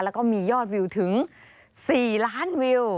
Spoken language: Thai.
แล้วก็มียอดวิวถึง๔ล้านวิว